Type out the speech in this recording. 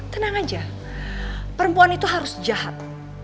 tenang aja perempuan itu harus jahat